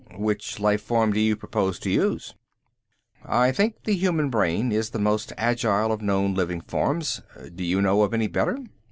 "Which life form do you propose to use?" "I think the human brain is the most agile of known living forms. Do you know of any better?"